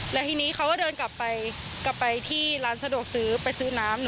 แล้วทีนี้เขาก็เดินกลับไปกลับไปที่ร้านสะดวกซื้อไปซื้อน้ำ